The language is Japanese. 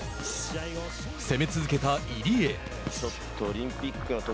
攻め続けた入江。